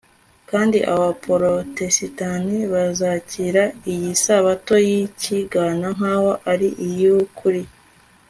kandi Abaporotesitanti bazakira iyi sabato yicyigana nkaho ari iyukuri